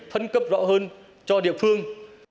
thân cấp rõ hơn cho địa phương